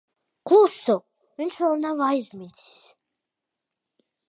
Klusu. Viņš vēl nav aizmidzis.